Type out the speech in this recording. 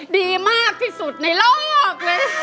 ดีมากที่สุดในโลกเลย